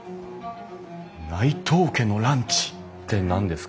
「内藤家のランチ」って何ですか？